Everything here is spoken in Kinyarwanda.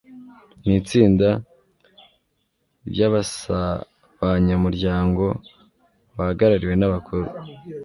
n' itsinda ry sabanyamuryango bahagarariwe n abakuru